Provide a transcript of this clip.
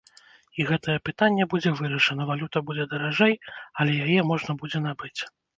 І гэтае пытанне будзе вырашана, валюта будзе даражэй, але яе можна будзе набыць.